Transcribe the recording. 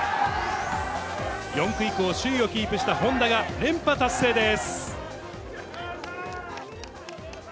４区以降、首位をキープしたホンダが、連覇達成です。